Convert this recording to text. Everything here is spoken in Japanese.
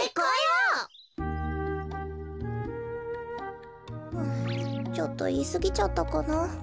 はぁちょっといいすぎちゃったかな。